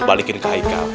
balikin ke haikal